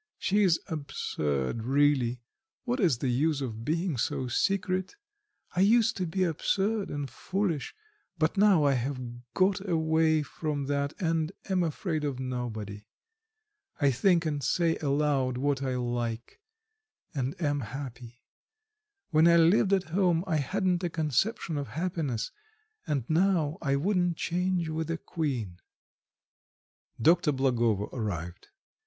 She is absurd really, what is the use of being so secret? I used to be absurd and foolish, but now I have got away from that and am afraid of nobody. I think and say aloud what I like, and am happy. When I lived at home I hadn't a conception of happiness, and now I wouldn't change with a queen." Dr. Blagovo arrived.